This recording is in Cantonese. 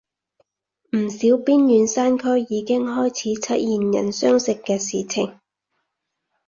唔少邊遠山區已經開始出現人相食嘅事情